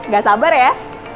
gak sabar ya